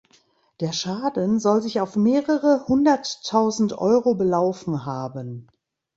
Der Schaden soll sich auf „mehrere Hunderttausend Euro“ belaufen haben.